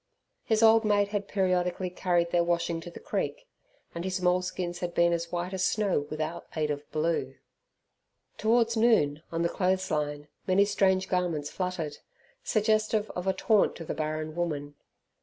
His old mate had periodically carried their washing to the creek, and his mole skins had been as white as snow without aid of blue. Towards noon, on the clothes line many strange garments fluttered, suggestive of a taunt to the barren woman.